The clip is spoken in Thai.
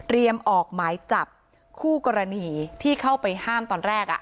ออกหมายจับคู่กรณีที่เข้าไปห้ามตอนแรก